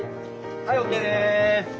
はいＯＫです！